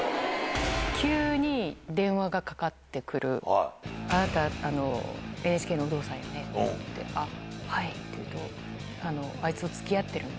急に電話がかかってくる、あなた、ＮＨＫの有働さんよね？って言って、あっ、はいって言うと、あいつとつきあってるの？